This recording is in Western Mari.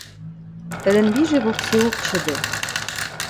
Тӹдӹн вижӹ воксеок чӹдӹ!